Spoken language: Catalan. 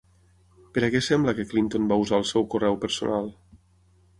Per a què sembla que Clinton va usar el seu correu personal?